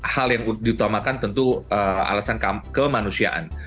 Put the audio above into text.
hal yang diutamakan tentu alasan kemanusiaan